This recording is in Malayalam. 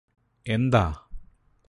എന്താ?